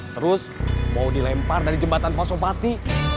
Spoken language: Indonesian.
terus mau dilempar dari jembatan pasopati